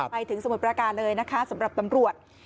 สมุทรประการเลยนะคะสำหรับตำรวจ